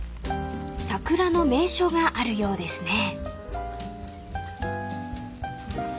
［桜の名所があるようですね］